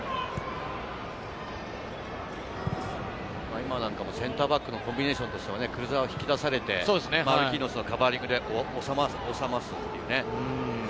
今なんかもセンターバックのコンビネーションとしてはクルザワが引き出されて、マルキーニョスのカバーリングで追って収まるという。